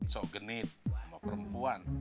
sok genit sama perempuan